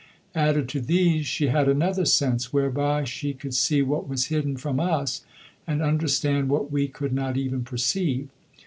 Added to these, she had another sense, whereby she could see what was hidden from us and understand what we could not even perceive.